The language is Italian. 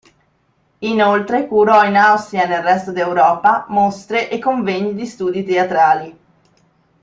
Inoltre curò in Austria e nel resto d'Europa, mostre e convegni di studi teatrali.